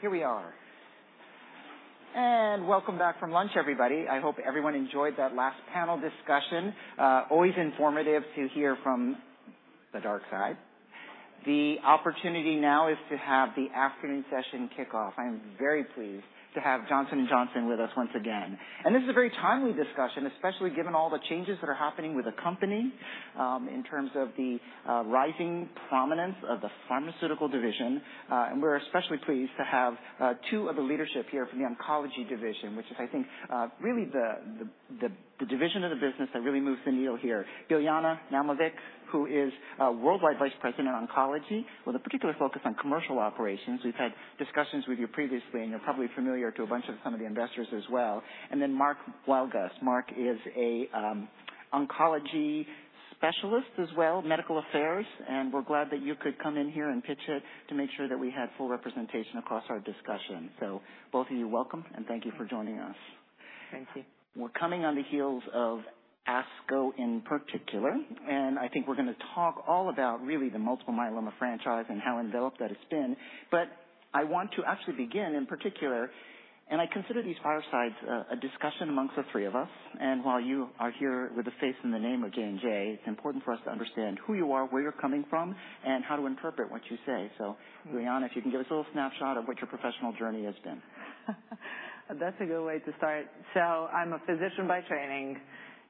Here we are. Welcome back from lunch, everybody. I hope everyone enjoyed that last panel discussion. Always informative to hear from the dark side. The opportunity now is to have the afternoon session kickoff. I am very pleased to have Johnson & Johnson with us once again, and this is a very timely discussion, especially given all the changes that are happening with the company, in terms of the rising prominence of the pharmaceutical division. We're especially pleased to have two of the leadership here from the Oncology division, which is, I think, really the division of the business that really moves the needle here. Biljana Naumovic, who is Worldwide Vice President in Oncology, with a particular focus on commercial operations. We've had discussions with you previously, you're probably familiar to a bunch of some of the investors as well. Mark Wildgust. Mark is a oncology specialist as well, medical affairs, and we're glad that you could come in here and pitch in to make sure that we had full representation across our discussion. Both of you, welcome, and thank you for joining us. Thank you. We're coming on the heels of ASCO in particular. I think we're gonna talk all about really the multiple myeloma franchise and how enveloped that has been. I want to actually begin in particular, and I consider these firesides, a discussion amongst the three of us. While you are here with a face and the name of J&J, it's important for us to understand who you are, where you're coming from, and how to interpret what you say. Biljana, if you can give us a little snapshot of what your professional journey has been. That's a good way to start. I'm a physician by training.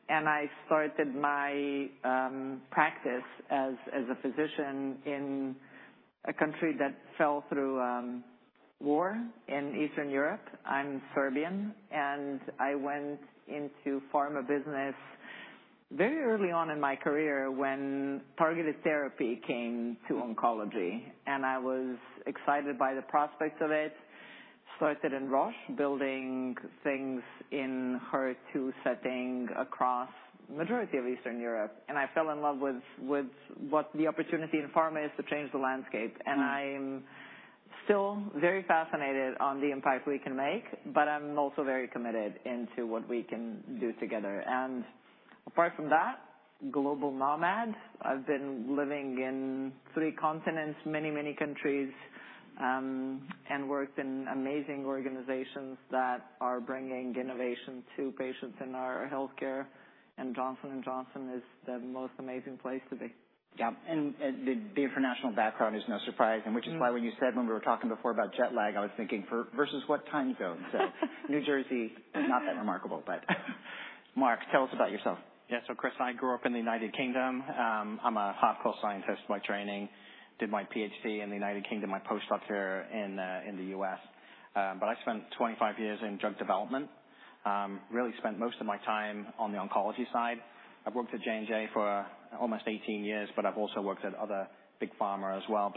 I started my practice as a physician in a country that fell through war in Eastern Europe. I'm Serbian. I went into pharma business very early on in my career when targeted therapy came to oncology. I was excited by the prospects of it. Started in Roche, building things in HER2 setting across majority of Eastern Europe. I fell in love with what the opportunity in pharma is to change the landscape. I'm still very fascinated on the impact we can make, but I'm also very committed into what we can do together. Apart from that, global nomad, I've been living in three continents, many, many countries, and worked in amazing organizations that are bringing innovation to patients in our healthcare, and Johnson & Johnson is the most amazing place to be. Yeah, and the international background is no surprise. Which is why when you said, when we were talking before about jet lag, I was thinking versus what time zone? New Jersey, not that remarkable, but. Mark, tell us about yourself. Chris, I grew up in the United Kingdom I'm a hardcore scientist by training. Did my PhD in the United Kingdom, my post-doc here in the U.S. I spent 25 years in drug development. really spent most of my time on the oncology side. I've worked at J&J for almost 18 years, but I've also worked at other big pharma as well.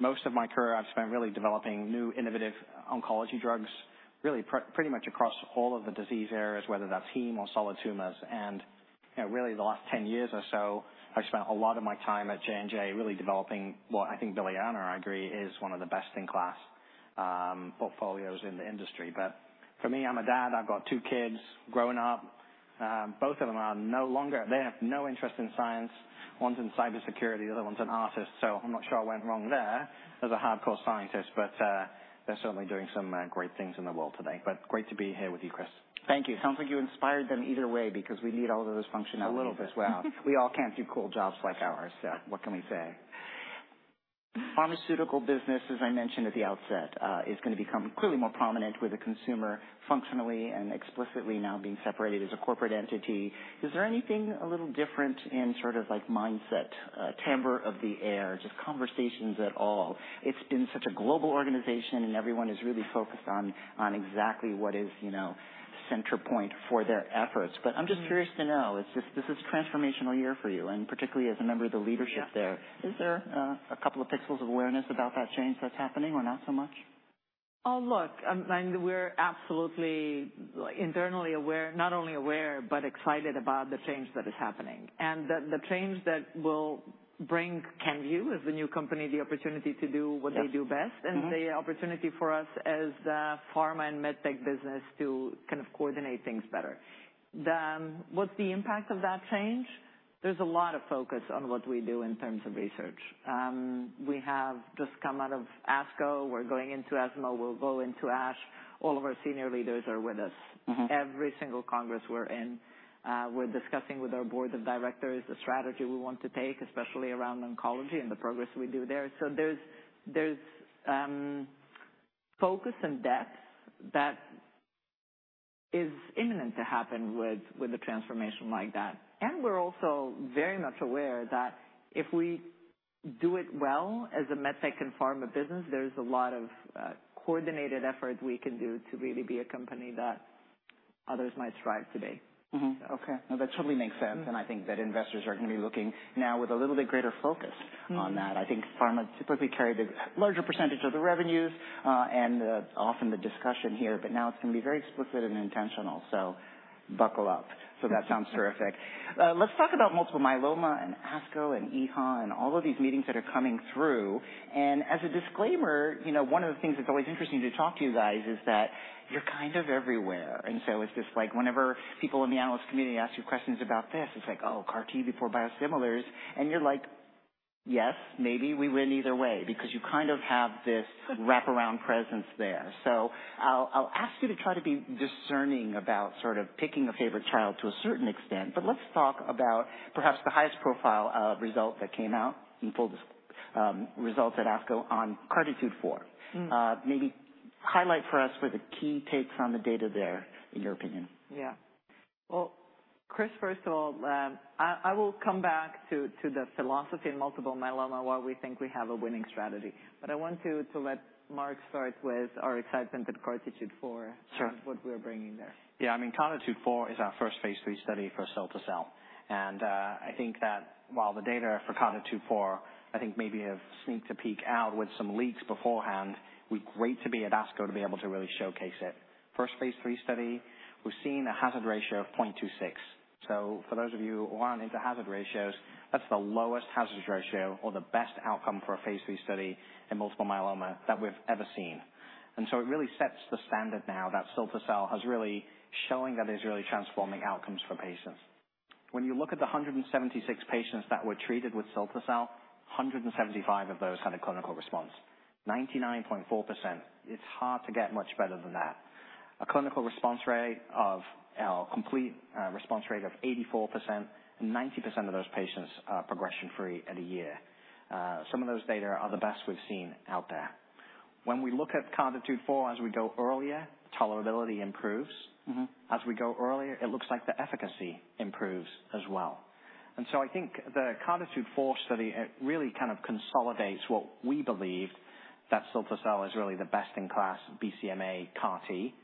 Most of my career I've spent really developing new, innovative oncology drugs, really pretty much across all of the disease areas, whether that's heme or solid tumors and you know, really the last 10 years or so, I've spent a lot of my time at J&J really developing what I think Biljana and I agree is one of the best-in-class portfolios in the industry. For me, I'm a dad. I've got two kids, grown up. Both of them are no longer. They have no interest in science. One's in cybersecurity, the other one's an artist, so I'm not sure what went wrong there as a hardcore scientist, but they're certainly doing some great things in the world today. Great to be here with you, Chris. Thank you. Sounds like you inspired them either way because we need all of those functionalities as well. A little bit. We all can't do cool jobs like ours, so what can we say? Pharmaceutical business, as I mentioned at the outset, is gonna become clearly more prominent with the consumer functionally and explicitly now being separated as a corporate entity. Is there anything a little different in sort of like mindset, timbre of the air, just conversations at all? It's been such a global organization, and everyone is really focused on exactly what is, you know, center point for their efforts. I'm just curious to know, this is a transformational year for you, and particularly as a member of the leadership there. Is there a couple of pixels of awareness about that change that's happening or not so much? Look, and we're absolutely internally aware, not only aware, but excited about the change that is happening. The change that will bring Kenvue, as the new company, the opportunity to do what they do best. Yes. The opportunity for us as the pharma and med tech business to kind of coordinate things better. What's the impact of that change? There's a lot of focus on what we do in terms of research. We have just come out of ASCO. We're going into ESMO. We'll go into ASH. All of our senior leaders are with us. Every single congress we're in, we're discussing with our board of directors the strategy we want to take, especially around oncology and the progress we do there. There's focus and depth that is imminent to happen with a transformation like that. We're also very much aware that if we do it well as a med tech and pharma business, there's a lot of coordinated effort we can do to really be a company that others might strive to be. Okay. No, that totally makes sense. I think that investors are gonna be looking now with a little bit greater focus on that. I think pharma typically carry the larger percentage of the revenues, and often the discussion here, but now it's gonna be very explicit and intentional, so buckle up. That sounds terrific. Let's talk about multiple myeloma and ASCO and EHA and all of these meetings that are coming through. As a disclaimer, you know, one of the things that's always interesting to talk to you guys is that you're kind of everywhere. It's just like whenever people in the analyst community ask you questions about this, it's like, "Oh, CAR T before biosimilars," and you're like, "Yes, maybe we win either way," because you kind of have this wraparound presence there. I'll ask you to try to be discerning about sort of picking a favorite child to a certain extent, but let's talk about perhaps the highest profile, result that came out in full, results at ASCO on CARTITUDE-4. Maybe highlight for us where the key takes on the data there, in your opinion. Yeah. Well, Chris, first of all, I will come back to the philosophy in multiple myeloma, why we think we have a winning strategy. I want to let Mark start with our excitement at CARTITUDE-4. Sure What we're bringing there. I mean, CARTITUDE-4 is our first Phase III study for cilta-cel. I think that while the data for CARTITUDE-4, I think maybe have sneaked a peek out with some leaks beforehand, we're great to be at ASCO to be able to really showcase it. First Phase III study, we've seen a hazard ratio of 0.26. For those of you who aren't into hazard ratios, that's the lowest hazard ratio or the best outcome for a Phase III study in multiple myeloma that we've ever seen. It really sets the standard now that cilta-cel has really showing that it's really transforming outcomes for patients. When you look at the 176 patients that were treated with cilta-cel, 175 of those had a clinical response, 99.4%. It's hard to get much better than that. A clinical response rate of complete response rate of 84%, and 90% of those patients are progression free at a year. Some of those data are the best we've seen out there. When we look at CARTITUDE-4, as we go earlier, tolerability improves. As we go earlier, it looks like the efficacy improves as well. I think the CARTITUDE-4 study, it really kind of consolidates what we believed, that cilta-cel is really the best-in-class BCMA CAR T.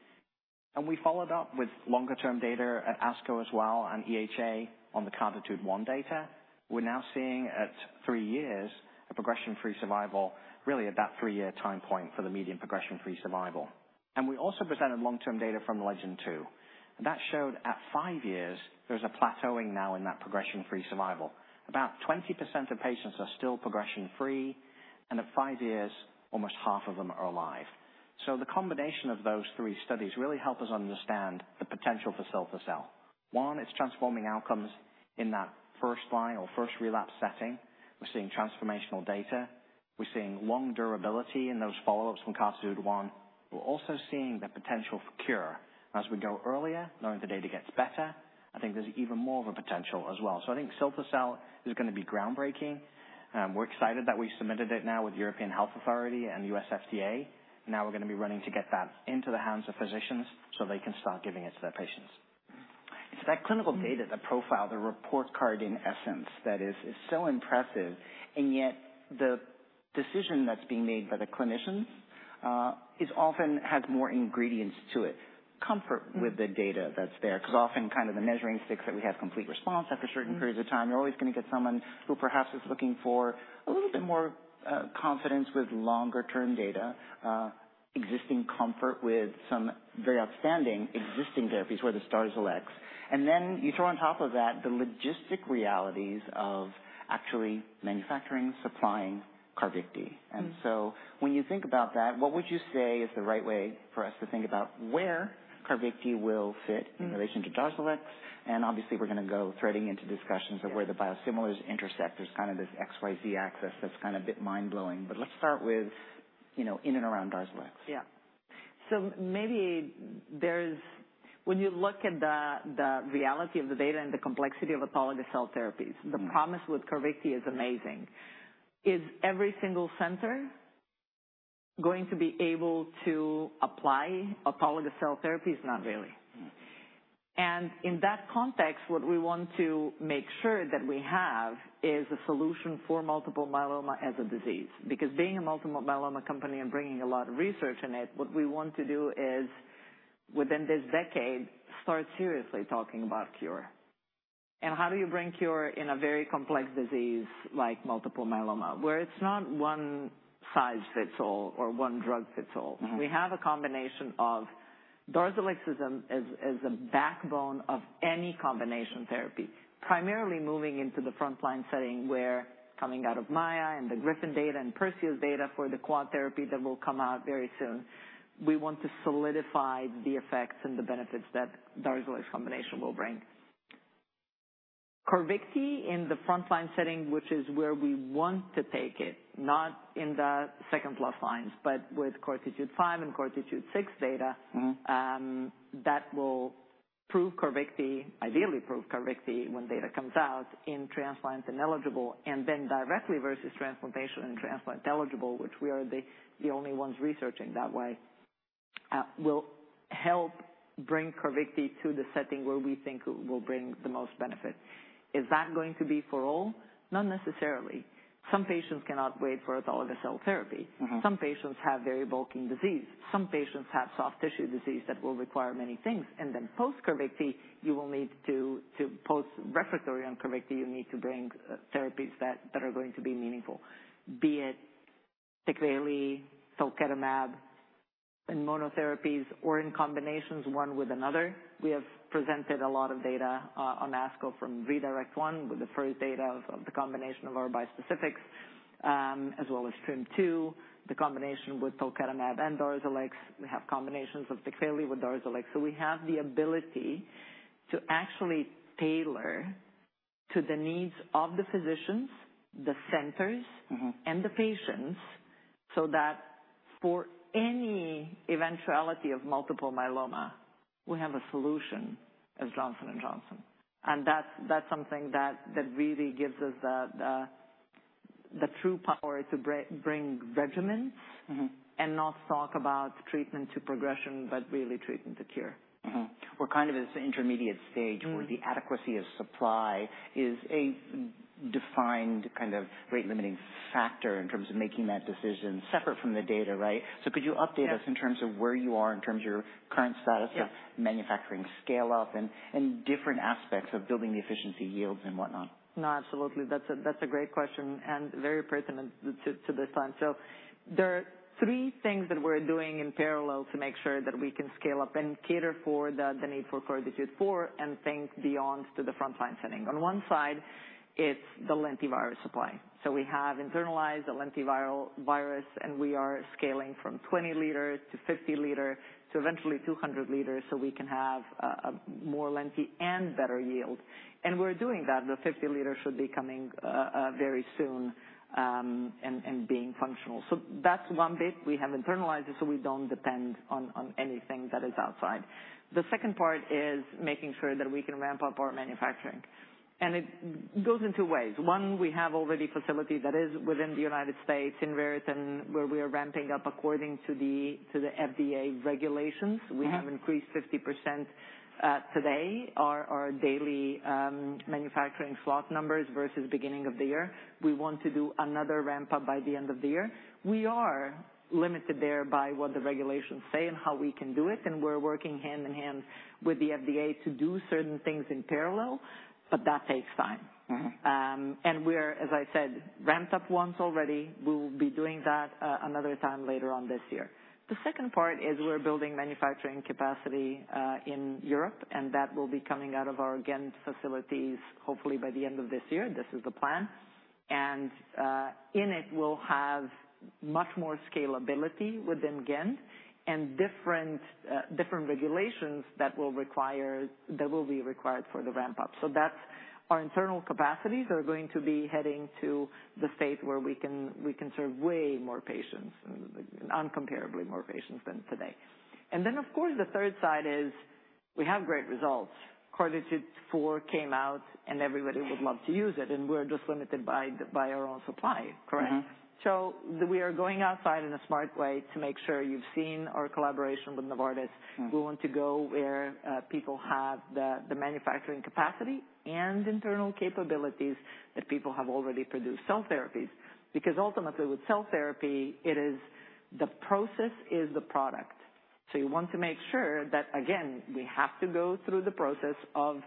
We followed up with longer term data at ASCO as well, and EHA on the CARTITUDE-1 data. We're now seeing at three years, a progression-free survival, really at that three-year time point for the median progression-free survival. We also presented long-term data from LEGEND-2. That showed at five years, there's a plateauing now in that progression-free survival. About 20% of patients are still progression free, and at five years, almost half of them are alive. The combination of those three studies really help us understand the potential for cilta-cel. One, it's transforming outcomes in that first line or first relapse setting. We're seeing transformational data. We're seeing long durability in those follow-ups from CARTITUDE-1. We're also seeing the potential for cure. As we go earlier, knowing the data gets better, I think there's even more of a potential as well. I think cilta-cel is gonna be groundbreaking, and we're excited that we submitted it now with European Health Authority and US FDA. We're gonna be running to get that into the hands of physicians so they can start giving it to their patients. It's that clinical data, the profile, the report card in essence, that is so impressive, and yet the decision that's being made by the clinicians, is often has more ingredients to it. Comfort with the data that's there, 'cause often kind of the measuring sticks that we have complete response after certain periods of time, you're always gonna get someone who perhaps is looking for a little bit more, confidence with longer term data, existing comfort with some very outstanding existing therapies where the DARZALEX. Then you throw on top of that, the logistic realities of actually manufacturing, supplying CARVYKTI. When you think about that, what would you say is the right way for us to think about where CARVYKTI will fit in relation to DARZALEX? Obviously, we're gonna go threading into discussions of where the biosimilars intersect. There's kind of this XYZ axis that's kind of a bit mind-blowing, but let's start with, you know, in and around DARZALEX. Yeah. When you look at the reality of the data and the complexity of autologous cell therapies. The promise with CARVYKTI is amazing. Is every single center going to be able to apply autologous cell therapies? Not really. In that context, what we want to make sure that we have is a solution for multiple myeloma as a disease. Being a multiple myeloma company and bringing a lot of research in it, what we want to do is, within this decade, start seriously talking about cure. How do you bring cure in a very complex disease like multiple myeloma, where it's not one-size-fits-all or one drug fits all? We have a combination of DARZALEX is a backbone of any combination therapy, primarily moving into the frontline setting where coming out of MAIA and the GRIFFIN data and PERSEUS data for the quad therapy that will come out very soon. We want to solidify the effects and the benefits that DARZALEX combination will bring. CARVYKTI in the frontline setting, which is where we want to take it, not in the second plus lines, but with CARTITUDE-5 and CARTITUDE-6 data. That will prove CARVYKTI, ideally prove CARVYKTI, when data comes out in transplant and eligible, and then directly versus transplantation and transplant eligible, which we are the only ones researching that way, will help bring CARVYKTI to the setting where we think it will bring the most benefit. Is that going to be for all? Not necessarily. Some patients cannot wait for autologous cell therapy. Some patients have very bulking disease. Some patients have soft tissue disease that will require many things. Post-CARVYKTI, you will need to post refractory on CARVYKTI, you need to bring therapies that are going to be meaningful, be it TECVAYLI, talquetamab, in monotherapies or in combinations, one with another. We have presented a lot of data on ASCO from RedirecTT-1, with the first data of the combination of our bispecifics, as well as TRiMM-2, the combination with talquetamab and DARZALEX. We have combinations of TECVAYLI with DARZALEX. We have the ability to actually tailor to the needs of the physicians, the centers and the patients, so that for any eventuality of multiple myeloma, we have a solution as Johnson & Johnson. That's something that really gives us the true power to bring regimens and not talk about treatment to progression, but really treatment to cure. We're kind of in this intermediate stage where the adequacy of supply is a defined kind of rate limiting factor in terms of making that decision, separate from the data, right? Could you update us in terms of where you are, in terms of your current status of manufacturing scale up and different aspects of building the efficiency yields and whatnot? Absolutely. That's a great question, very pertinent to this time. There are three things that we're doing in parallel to make sure that we can scale up and cater for the need for CARTITUDE-4 and think beyond to the frontline setting. On one side, it's the lentivirus supply. We have internalized the lentiviral virus, and we are scaling from 20 L to 50 L to eventually 200 L, so we can have a more lengthy and better yield. We're doing that. The 50 L should be coming very soon, and being functional. That's one bit. We have internalized it, so we don't depend on anything that is outside. The second part is making sure that we can ramp up our manufacturing, and it goes in two ways. One, we have already facility that is within the United States, in Raritan, where we are ramping up according to the FDA regulations. We have increased 50%, today, our daily, manufacturing slot numbers, versus beginning of the year. We want to do another ramp up by the end of the year. We are limited there by what the regulations say and how we can do it, and we're working hand in hand with the FDA to do certain things in parallel, but that takes time. We're, as I said, ramped up once already. We will be doing that another time later on this year. The second part is we're building manufacturing capacity in Europe, and that will be coming out of our Ghent facilities, hopefully by the end of this year. This is the plan. In it, we'll have much more scalability within Ghent and different different regulations that will be required for the ramp up. That's our internal capacities are going to be heading to the state where we can, we can serve way more patients, uncomparably more patients than today. Of course, the third side is we have great results. CARTITUDE-4 came out, and everybody would love to use it, and we're just limited by our own supply, correct? We are going outside in a smart way to make sure. You've seen our collaboration with Novartis. We want to go where people have the manufacturing capacity and internal capabilities that people have already produced cell therapies, because ultimately with cell therapy, it is the process is the product. You want to make sure that, again, we have to go through the process of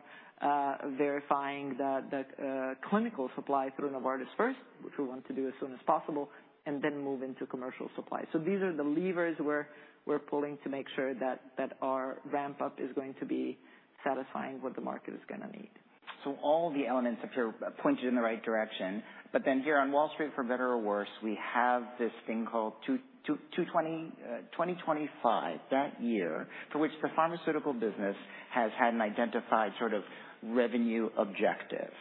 verifying the clinical supply through Novartis first, which we want to do as soon as possible, and then move into commercial supply. These are the levers we're pulling to make sure that our ramp up is going to be satisfying what the market is gonna need. All the elements appear pointed in the right direction, but then here on Wall Street, for better or worse, we have this thing called 2025, that year, for which the pharmaceutical business has had an identified sort of revenue objective.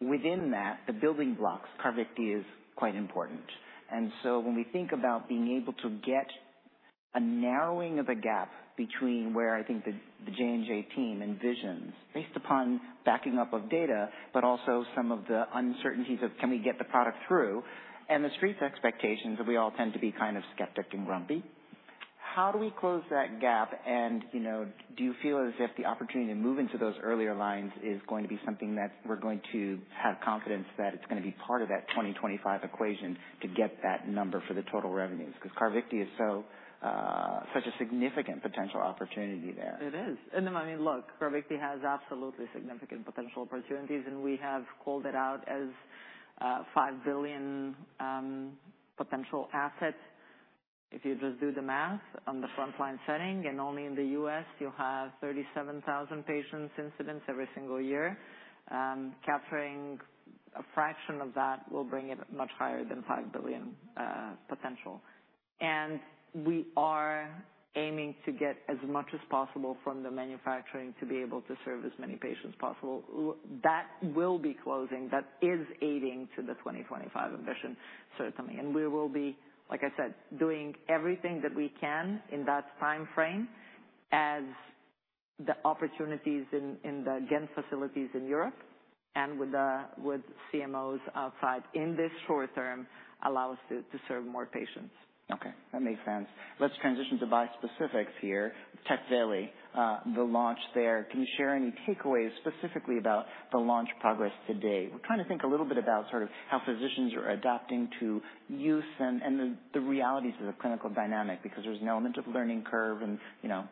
Within that, the building blocks, CARVYKTI is quite important. When we think about being able to get a narrowing of the gap between where I think the J&J team envisions, based upon backing up of data, but also some of the uncertainties of can we get the product through. The Street's expectations, that we all tend to be kind of skeptic and grumpy. How do we close that gap? You know, do you feel as if the opportunity to move into those earlier lines is going to be something that we're going to have confidence that it's gonna be part of that 2025 equation to get that number for the total revenues because CARVYKTI is so such a significant potential opportunity there? It is. I mean, look, CARVYKTI has absolutely significant potential opportunities, and we have called it out as a $5 billion potential asset. If you just do the math on the frontline setting, and only in the U.S., you have 37,000 patients incidents every single year. Capturing a fraction of that will bring it much higher than $5 billion potential. We are aiming to get as much as possible from the manufacturing to be able to serve as many patients as possible. That will be closing, that is aiding to the 2025 ambition, certainly. We will be, like I said, doing everything that we can in that timeframe as the opportunities in the Ghent facilities in Europe and with the CMOs outside in this short term, allow us to serve more patients. Okay, that makes sense. Let's transition to bispecifics here. TECVAYLI, the launch there, can you share any takeaways specifically about the launch progress to-date? We're trying to think a little bit about sort of how physicians are adapting to use and the realities of the clinical dynamic, because there's an element of learning curve and, you know,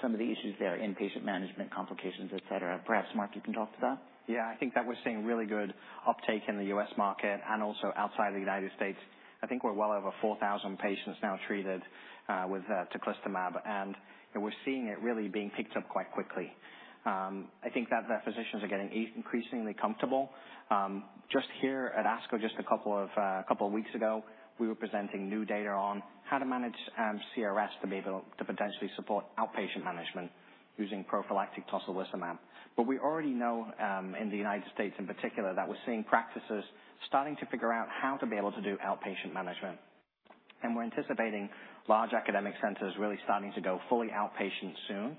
some of the issues there in patient management, complications, et cetera. Perhaps, Mark, you can talk to that? I think that we're seeing really good uptake in the U.S. market and also outside the United States. I think we're well over 4,000 patients now treated, with Teclistamab, and we're seeing it really being picked up quite quickly. I think that the physicians are getting increasingly comfortable. Just here at ASCO, just a couple of weeks ago, we were presenting new data on how to manage CRS, to be able to potentially support outpatient management using prophylactic Tocilizumab. We already know, in the United States in particular, that we're seeing practices starting to figure out how to be able to do outpatient management. We're anticipating large academic centers really starting to go fully outpatient soon.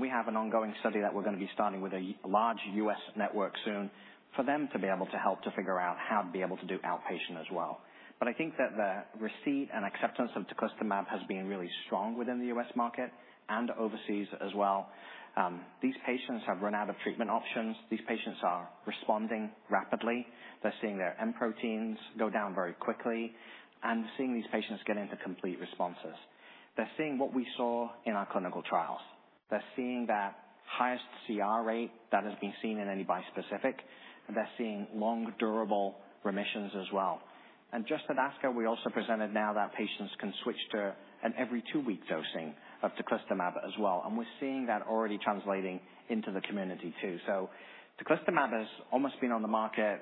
We have an ongoing study that we're gonna be starting with a large U.S. network soon, for them to be able to help to figure out how to be able to do outpatient as well. I think that the receipt and acceptance of Teclistamab has been really strong within the U.S. market and overseas as well. These patients have run out of treatment options. These patients are responding rapidly. They're seeing their M protein go down very quickly, and seeing these patients get into complete responses. They're seeing what we saw in our clinical trials. They're seeing that highest CR rate that has been seen in any bispecific, and they're seeing long, durable remissions as well. Just at ASCO, we also presented now that patients can switch to an every two-week dosing of Teclistamab as well, and we're seeing that already translating into the community, too. Teclistamab has almost been on the market,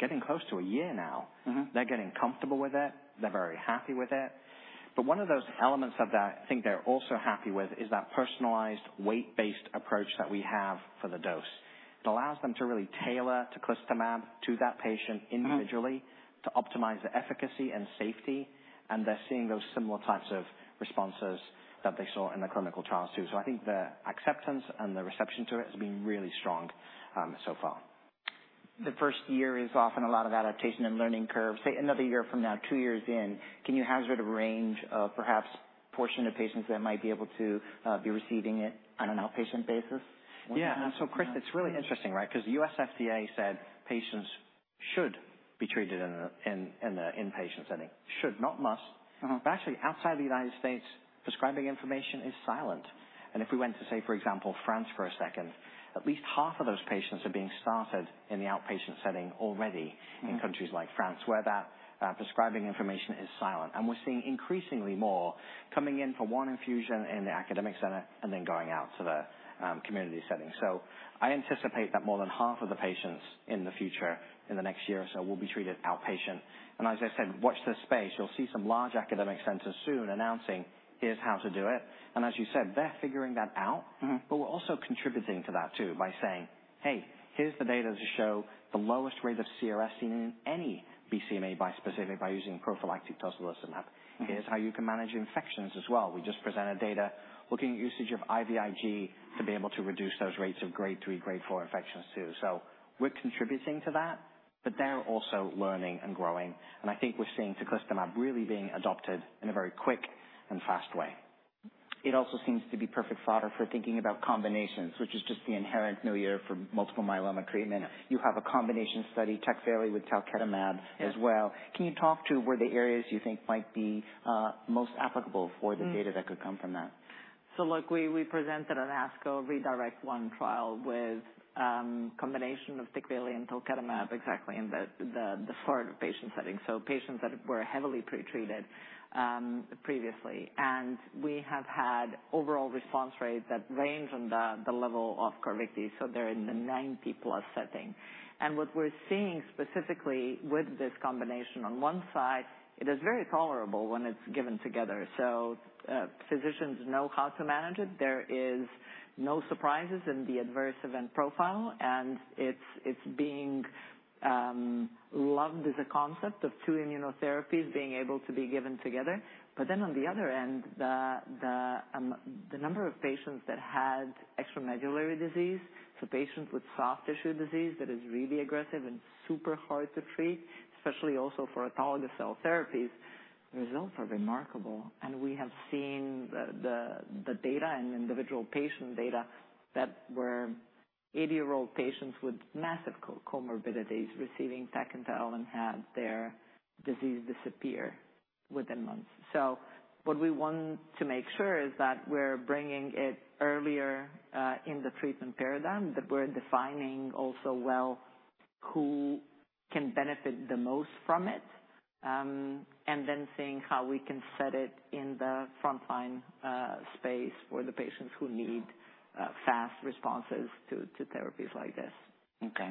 getting close to a year now. They're getting comfortable with it. They're very happy with it. One of those elements of that, I think they're also happy with, is that personalized weight-based approach that we have for the dose. It allows them to really tailor Teclistamab to that patient individually, to optimize the efficacy and safety, and they're seeing those similar types of responses that they saw in the clinical trials, too. I think the acceptance and the reception to it has been really strong, so far. The first year is often a lot of adaptation and learning curve. Say, another year from now, two years in, can you hazard a range of perhaps portion of patients that might be able to be receiving it on an outpatient basis? Yeah. Chris, it's really interesting, right, because the U.S. FDA said patients should be treated in a inpatient setting, should, not must. Actually, outside the United States, prescribing information is silent. If we went to, say, for example, France for a second, at least half of those patients are being started in the outpatient setting already in countries like France, where that prescribing information is silent. We're seeing increasingly more coming in for one infusion in the academic center and then going out to the community setting. I anticipate that more than half of the patients in the future, in the next year or so, will be treated outpatient. As I said, watch this space. You'll see some large academic centers soon announcing, here's how to do it. As you said, they're figuring that out. We're also contributing to that, too, by saying, "Hey, here's the data to show the lowest rate of CRS in any BCMA bispecific by using prophylactic tocilizumab. Here's how you can manage infections as well." We just presented data looking at usage of IVIG to be able to reduce those rates of grade three, grade four infections, too. We're contributing to that, but they're also learning and growing, and I think we're seeing Teclistamab really being adopted in a very quick and fast way. It also seems to be perfect fodder for thinking about combinations, which is just the inherent new year for multiple myeloma treatment. You have a combination study, TECVAYLI with talquetamab as well. Can you talk to where the areas you think might be, most applicable for the data that could come from that? Look, we presented on ASCO RedirecTT-1 trial with combination of TECVAYLI and talquetamab exactly in the hard patient setting, so patients that were heavily pretreated previously. We have had overall response rates that range on the level of CARVYKTI, so they're in the nine people plus setting. What we're seeing specifically with this combination, on one side, it is very tolerable when it's given together. Physicians know how to manage it. There is no surprises in the adverse event profile, and it's being loved as a concept of two immunotherapies being able to be given together. On the other end, the, the number of patients that had extramedullary disease, so patients with soft tissue disease that is really aggressive and super hard to treat, especially also for autologous cell therapies, the results are remarkable. We have seen the, the data and individual patient data that were 80-year-old patients with massive comorbidities, receiving TECVAYLI, and had their disease disappear within months. What we want to make sure is that we're bringing it earlier in the treatment paradigm, that we're defining also well, who can benefit the most from it, and then seeing how we can set it in the frontline space for the patients who need fast responses to therapies like this. Okay.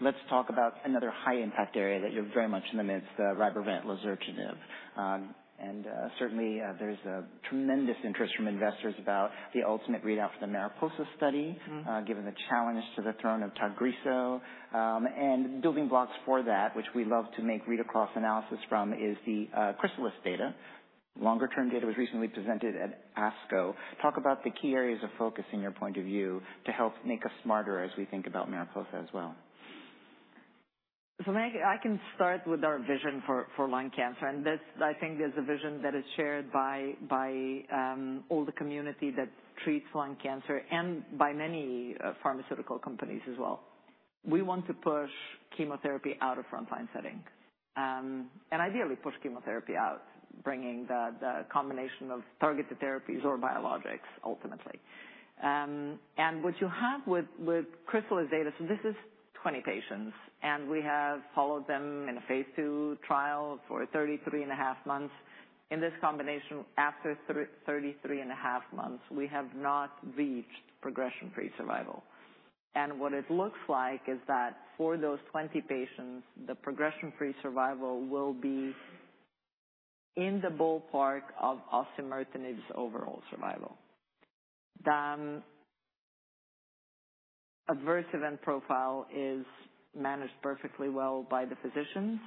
Let's talk about another high-impact area that you're very much in the midst, the RYBREVANT and lazertinib. Certainly, there's a tremendous interest from investors about the ultimate readout for the MARIPOSA study given the challenge to the throne of Tagrisso, and building blocks for that, which we love to make read-across analysis from, is the CHRYSALIS data. Longer-term data was recently presented at ASCO. Talk about the key areas of focus in your point of view to help make us smarter as we think about MARIPOSA as well. I can start with our vision for lung cancer, and that's I think is a vision that is shared by all the community that treats lung cancer and by many pharmaceutical companies as well. We want to push chemotherapy out of frontline settings, and ideally push chemotherapy out, bringing the combination of targeted therapies or biologics ultimately. What you have with CHRYSALIS is data. This is 20 patients, and we have followed them in a Phase II trial for 33.5 months. In this combination, after 33.5 months, we have not reached progression-free survival. What it looks like is that for those 20 patients, the progression-free survival will be in the ballpark of osimertinib's overall survival. The adverse event profile is managed perfectly well by the physicians.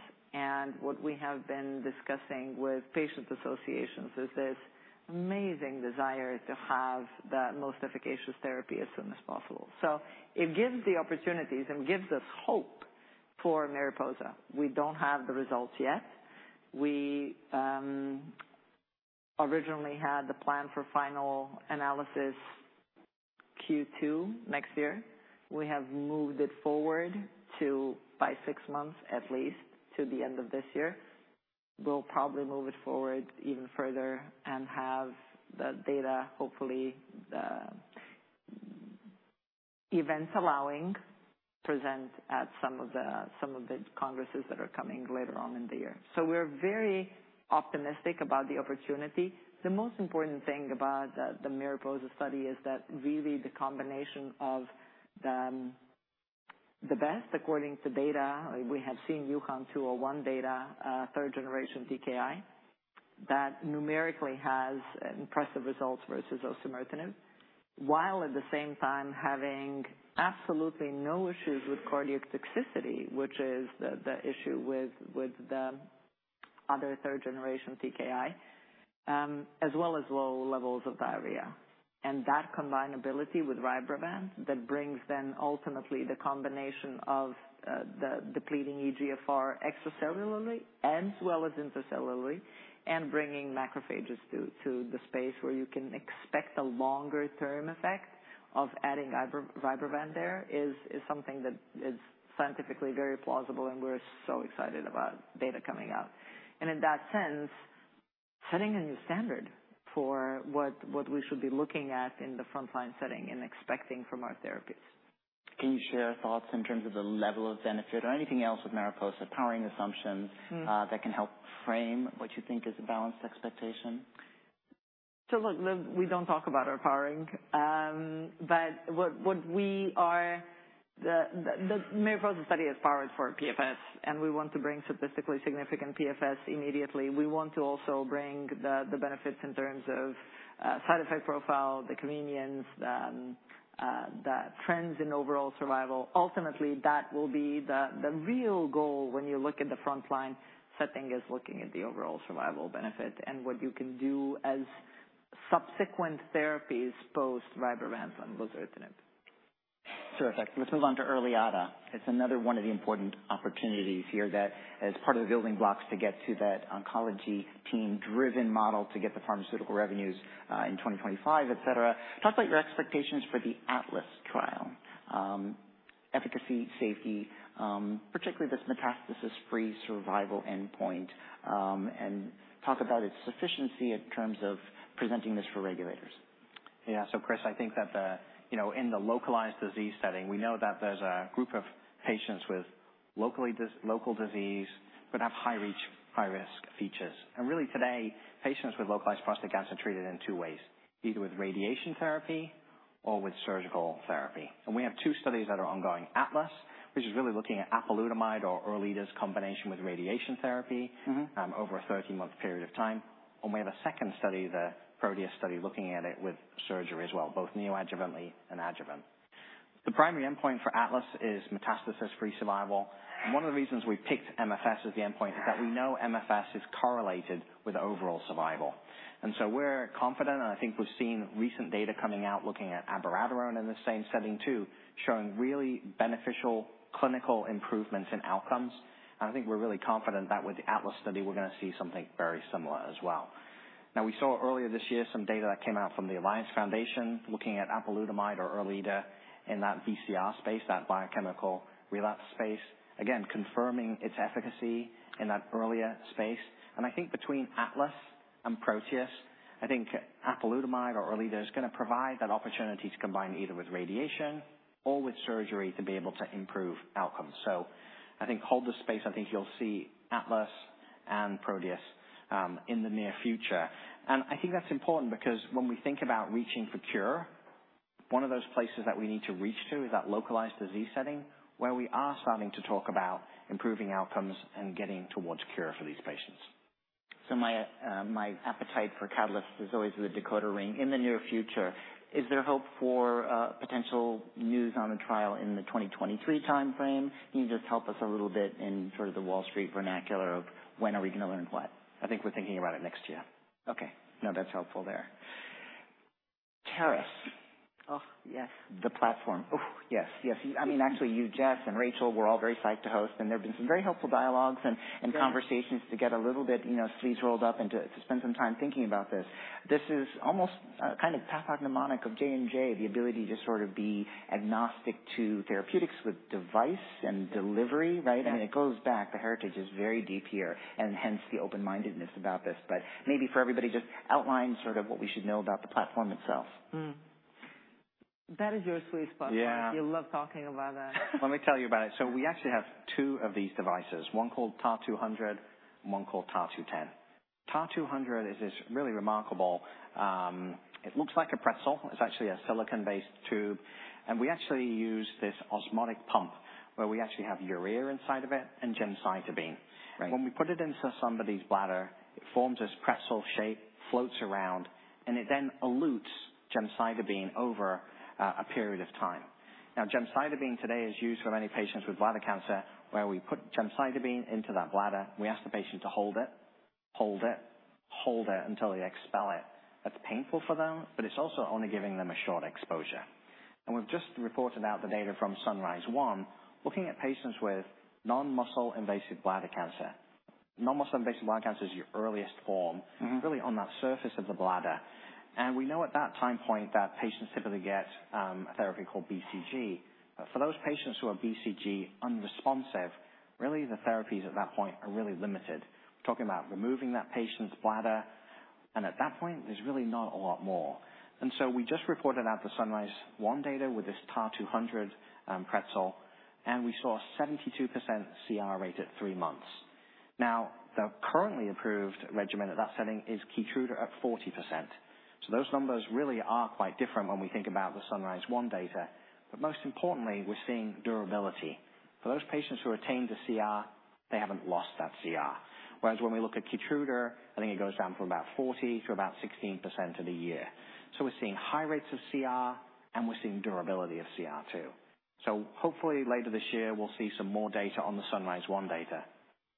What we have been discussing with patient associations is this amazing desire to have the most efficacious therapy as soon as possible. It gives the opportunities and gives us hope for MARIPOSA. We don't have the results yet. We originally had the plan for final analysis Q2 next year. We have moved it forward to by six months, at least, to the end of this year. We'll probably move it forward even further and have the data, hopefully, the events allowing, present at some of the, some of the congresses that are coming later on in the year. We're very optimistic about the opportunity. The most important thing about the MARIPOSA study is that really the combination of the best, according to data, we have seen YuHan data, third generation TKI, that numerically has impressive results versus osimertinib. While at the same time, having absolutely no issues with cardiac toxicity, which is the issue with the other third generation TKI, as well as low levels of diarrhea. That combinability with RYBREVANT, that brings then ultimately the combination of the depleting EGFR extracellularly and as well as intracellularly, and bringing macrophages to the space where you can expect a longer term effect of adding RYBREVANT there, is something that is scientifically very plausible, and we're so excited about data coming out. In that sense, setting a new standard for what we should be looking at in the frontline setting and expecting from our therapies. Can you share thoughts in terms of the level of benefit or anything else with MARIPOSA, powering assumptions that can help frame what you think is a balanced expectation? Look, we don't talk about our powering. The MARIPOSA study is powered for PFS, and we want to bring statistically significant PFS immediately. We want to also bring the benefits in terms of side effect profile, the convenience, the trends in overall survival. Ultimately, that will be the real goal when you look at the frontline setting, is looking at the overall survival benefit and what you can do as subsequent therapies, post RYBREVANT and lazertinib. Perfect. Let's move on to ERLEADA. It's another one of the important opportunities here that as part of the building blocks to get to that oncology team-driven model, to get the pharmaceutical revenues in 2025, et cetera. Talk about your expectations for the ATLAS trial, efficacy, safety, particularly this metastasis-free survival endpoint, and talk about its sufficiency in terms of presenting this for regulators. Yeah. Chris, I think that the, you know, in the localized disease setting, we know that there's a group of patients with locally local disease but have high reach, high risk features. Really today, patients with localized prostate cancer are treated in two ways, either with radiation therapy or with surgical therapy. We have two studies that are ongoing, ATLAS, which is really looking at apalutamide or ERLEADA's combination with radiation therapy over a 13-month period of time. We have a second study, the PROTEUS study, looking at it with surgery as well, both neoadjuvantly and adjuvant. The primary endpoint for ATLAS is metastasis-free survival, and one of the reasons we picked MFS as the endpoint is that we know MFS is correlated with overall survival. We're confident, and I think we've seen recent data coming out looking at abiraterone in the same setting too, showing really beneficial clinical improvements in outcomes. I think we're really confident that with the ATLAS study, we're gonna see something very similar as well. We saw earlier this year some data that came out from the Alliance Foundation looking at apalutamide or ERLEADA in that BCR space, that biochemical relapse space, again, confirming its efficacy in that earlier space. I think between ATLAS and PROTEUS, I think apalutamide or ERLEADA is gonna provide that opportunity to combine either with radiation or with surgery to be able to improve outcomes. I think hold the space. I think you'll see ATLAS and PROTEUS in the near future. I think that's important because when we think about reaching for cure, one of those places that we need to reach to is that localized disease setting, where we are starting to talk about improving outcomes and getting towards cure for these patients. My appetite for catalysts is always the decoder ring in the near future. Is there hope for potential news on the trial in the 2023 timeframe? Can you just help us a little bit in sort of the Wall Street vernacular of when are we gonna learn what? I think we're thinking about it next year. Okay. No, that's helpful there. Taris. Yes. The platform. Yes. I mean, actually, you, Janssen, Rachel, were all very psyched to host. There have been some very helpful dialogues and conversations to get a little bit, you know, sleeves rolled up and to spend some time thinking about this. This is almost, kind of pathognomonic of J&J, the ability to sort of be agnostic to therapeutics with device and delivery, right? Yes. I mean, it goes back. The heritage is very deep here, and hence the open-mindedness about this. Maybe for everybody, just outline sort of what we should know about the platform itself. That is your sweet spot. Yeah. You love talking about that. Let me tell you about it. We actually have two of these devices, one called TAR-200 and one called TAR-210. TAR-200 is this really remarkable. It looks like a pretzel. It's actually a silicon-based tube. We actually use this osmotic pump, where we actually have urea inside of it and gemcitabine. Right. When we put it into somebody's bladder, it forms this pretzel shape, floats around, and it then elutes gemcitabine over a period of time. Gemcitabine today is used for many patients with bladder cancer, where we put gemcitabine into that bladder. We ask the patient to hold it, hold it, hold it until they expel it. That's painful for them, but it's also only giving them a short exposure. We've just reported out the data from SunRISe-1, looking at patients with non-muscle-invasive bladder cancer. Non-muscle-invasive bladder cancer is your earliest form really on that surface of the bladder. We know at that time point that patients typically get a therapy called BCG. For those patients who are BCG unresponsive, really the therapies at that point are really limited. We're talking about removing that patient's bladder, and at that point, there's really not a lot more. We just reported out the SunRISe-1 data with this TAR-200 pretzel, and we saw a 72% CR rate at three months. Now, the currently approved regimen at that setting is KEYTRUDA at 40%. Those numbers really are quite different when we think about the SunRISe-1 data, but most importantly, we're seeing durability. For those patients who retained the CR, they haven't lost that CR. When we look at KEYTRUDA, I think it goes down from about 40% to about 16% in a year. We're seeing high rates of CR, and we're seeing durability of CR, too. Hopefully, later this year, we'll see some more data on the SunRISe-1 data.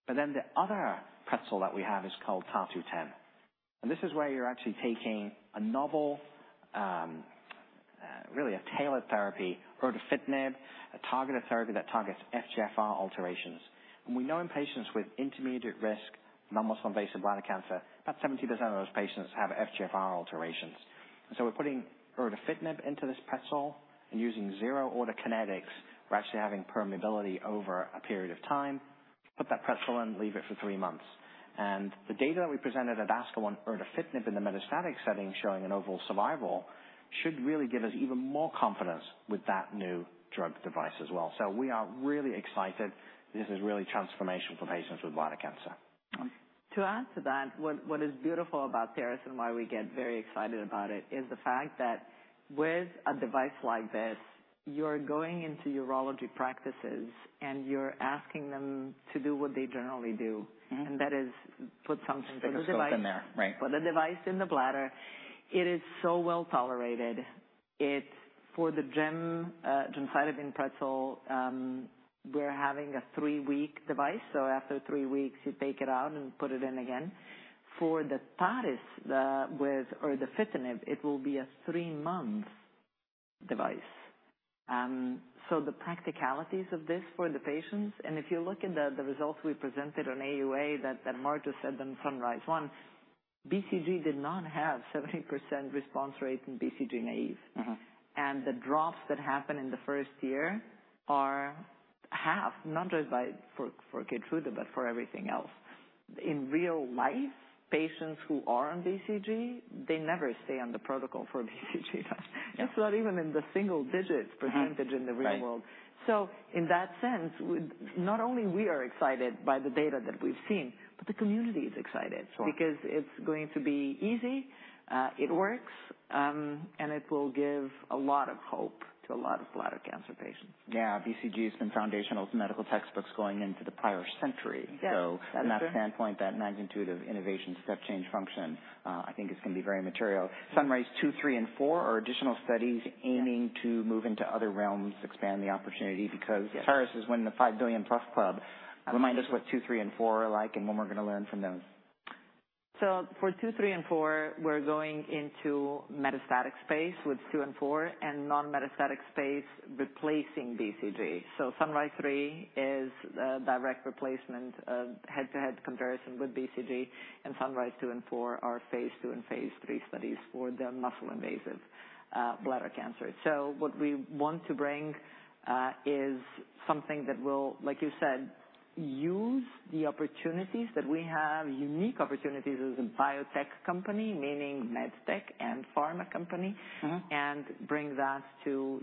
The other pretzel that we have is called TAR-210, and this is where you're actually taking a novel, really a tailored therapy, erdafitinib, a targeted therapy that targets FGFR alterations. We know in patients with intermediate risk non-muscle invasive bladder cancer, about 70% of those patients have FGFR alterations. We're putting erdafitinib into this pretzel and using zero order kinetics, we're actually having permeability over a period of time. Put that pretzel in, leave it for three months. The data that we presented at ASCO on erdafitinib in the metastatic setting, showing an overall survival, should really give us even more confidence with that new drug device as well. We are really excited. This is really transformational for patients with bladder cancer. To add to that, what is beautiful about Taris and why we get very excited about it, is the fact that with a device like this, you're going into urology practices, and you're asking them to do what they generally do. That is put something for the device- Put in there, right. Put a device in the bladder. It is so well tolerated. For the gemcitabine pretzel, we're having a three-week device, so after three weeks, you take it out and put it in again. For the Taris, with erdafitinib, it will be a three-month device. The practicalities of this for the patients, if you look at the results we presented on AUA, Marcus said on SunRISe-1, BCG did not have 70% response rate in BCG naive. The drops that happened in the first year are half, not just for KEYTRUDA, but for everything else. In real life, patients who are on BCG, they never stay on the protocol for BCG. It's not even in the single digits percentage in the real world. Right. In that sense, not only we are excited by the data that we've seen, but the community is excited. Sure. It's going to be easy, it works, and it will give a lot of hope to a lot of bladder cancer patients. Yeah. BCG has been foundational to medical textbooks going into the prior century. Yes. From that standpoint, that magnitude of innovation, step change function, I think is going to be very material. SunRISe-2, -3, and -4 are additional studies aiming to move into other realms, expand the opportunity, because Taris is winning the $5 billion+ club. Remind us what two, three, and four are like, and when we're gonna learn from those. For two, three, and four, we're going into metastatic space with two and four, and non-metastatic space replacing BCG. SunRISe-3 is the direct replacement of head-to-head comparison with BCG, and SunRISe-2 and 4 are Phase II and Phase III studies for the muscle-invasive bladder cancer. What we want to bring, is something that will, like you said, use the opportunities that we have, unique opportunities as a biotech company, meaning medtech and pharma company and bring that to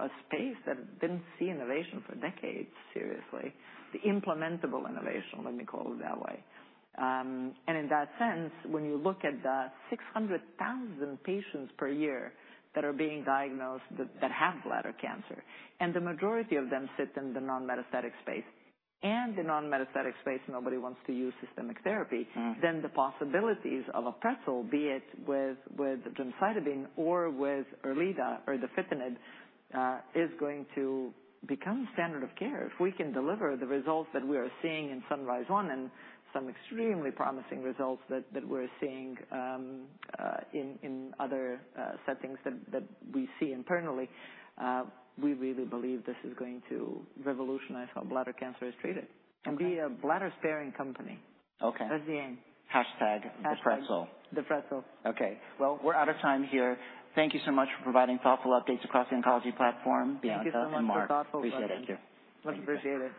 a space that didn't see innovation for decades, seriously. The implementable innovation, let me call it that way. In that sense, when you look at the 600,000 patients per year that are being diagnosed, that have bladder cancer, the majority of them sit in the non-metastatic space. The non-metastatic space, nobody wants to use systemic therapy then the possibilities of a pretzel, be it with gemcitabine or with ERLEADA or erdafitinib, is going to become standard of care. If we are can deliver the results that we are seeing in SunRISe-1, and some extremely promising results that we're seeing in other settings that we see internally, we really believe this is going to revolutionize how bladder cancer is treated and be a bladder-sparing company. Okay. That's the aim. #thepretzel. #thepretzel. Okay. Well, we're out of time here. Thank you so much for providing thoughtful updates across the oncology platform. Thank you so much. Biljana and Mark. Appreciate it, too. For the thoughtful questions. Much appreciated.